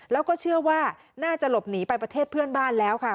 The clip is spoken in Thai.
แล้วก็เชื่อว่าน่าจะหลบหนีไปประเทศเพื่อนบ้านแล้วค่ะ